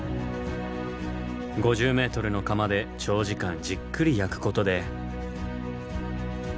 ５０ｍの窯で長時間じっくり焼くことで。